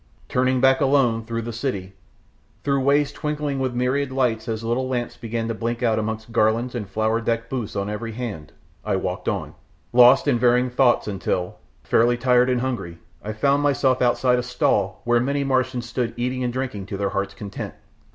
Turning back alone, through the city, through ways twinkling with myriad lights as little lamps began to blink out amongst garlands and flower decked booths on every hand, I walked on, lost in varying thoughts, until, fairly tired and hungry, I found myself outside a stall where many Martians stood eating and drinking to their hearts' content.